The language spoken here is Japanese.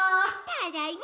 ただいま！